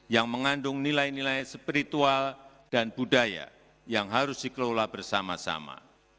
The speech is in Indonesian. yang mengandung nilai nilai spiritual dan budaya yang harus dikelola bersama sama